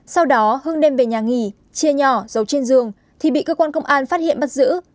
sau đó hưng đem về nhà nghỉ chia nhỏ dầu trên giường thì bị cơ quan công an phát hiện bắt giữ